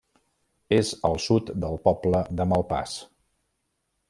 És al sud del poble de Malpàs.